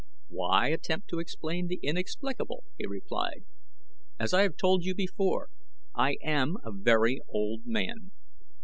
"Why attempt to explain the inexplicable?" he replied. "As I have told you before, I am a very old man.